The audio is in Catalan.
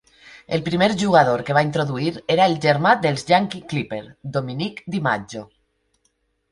El primer jugador que va introduir era el germà dels Yankee Clipper, Dominic DiMaggio.